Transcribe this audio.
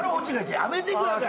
やめてください。